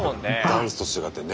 ダンスと違ってね。